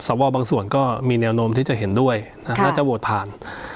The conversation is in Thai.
บางส่วนก็มีแนวโน้มที่จะเห็นด้วยน่าจะโหวตผ่าน